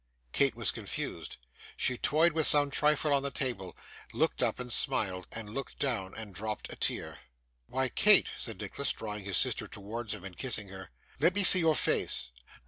Kate was confused; she toyed with some trifle on the table, looked up and smiled, looked down and dropped a tear. 'Why, Kate,' said Nicholas, drawing his sister towards him and kissing her, 'let me see your face.